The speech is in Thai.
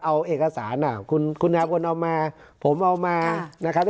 เอาเอกสารน่ะคุณครับคุณเอามาผมเอามานะครับ